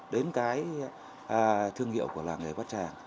đến cái thương hiệu của làng nghề bát tràng